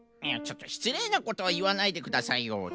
いやちょっとしつれいなことをいわないでくださいよ。